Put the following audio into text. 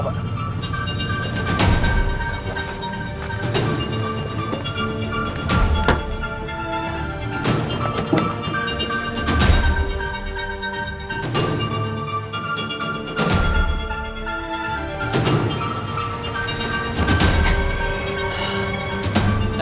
ya pak sudah pak